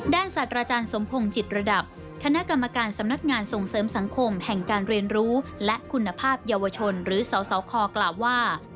สัตว์อาจารย์สมพงศ์จิตระดับคณะกรรมการสำนักงานส่งเสริมสังคมแห่งการเรียนรู้และคุณภาพเยาวชนหรือสสคกล่าวว่า